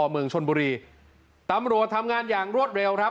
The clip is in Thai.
เมืองชนบุรีตำรวจทำงานอย่างรวดเร็วครับ